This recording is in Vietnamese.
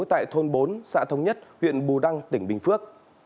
tại thôn bốn xã thống nhất huyện bù đăng tỉnh bình phước